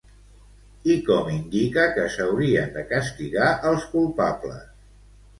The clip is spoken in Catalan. I com indica que s'haurien de castigar els culpables?